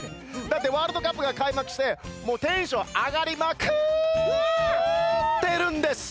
だってワールドカップが開幕してもうテンション上がりまクー！ってるんです。